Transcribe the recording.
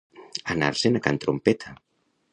Anar-se'n a can trompeta.